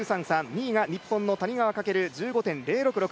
２位が日本の谷川翔、１５．０６６。